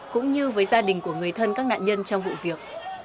cũng như với gia đình của người thân các nạn nhân trong vụ việc